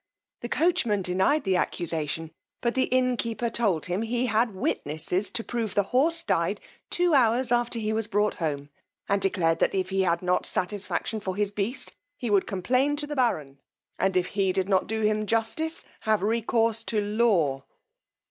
The coachman denied the accusation; but the innkeeper told him he had witnesses to prove the horse died two hours after he was brought home, and declared, that if he had not satisfaction for his beast, he would complain to the baron, and if he did not do him justice, have recourse to law.